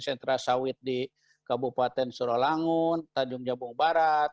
sentra sawit di kabupaten suralangun tanjung jabung barat